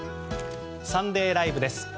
「サンデーＬＩＶＥ！！」です。